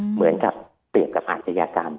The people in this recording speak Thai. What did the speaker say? เหมือนกับเปรียบกับอาจจะยากรรม